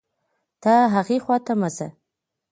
ته هاغې خوا ته مه ځه